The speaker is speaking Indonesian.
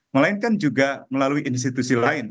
melainkan juga melalui institusi lain